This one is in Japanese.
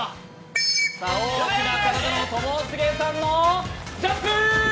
大きな体のともしげさんのジャンプ！